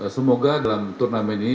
semoga dalam turnamen ini